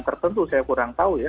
tertentu saya kurang tahu